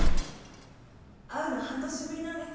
会うの半年ぶりなんです。